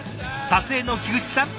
撮影の菊池さん